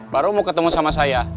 baru mau ketemu sama saya